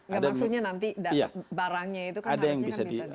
maksudnya nanti barangnya itu harusnya bisa di